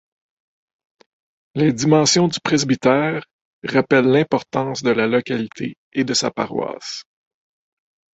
Les dimensions du presbytère rappellent l'importance de la localité et de sa paroisse.